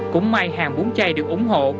cũng may hàng bún chay được ủng hộ